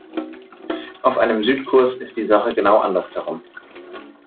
Auf einem Südkurs ist die Sache genau andersherum.